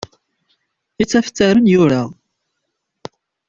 Ittafttaren yura.